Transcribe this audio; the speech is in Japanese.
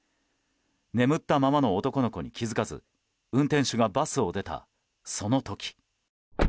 眠ったままの男の子に気づかず運転手がバスを出た、その時。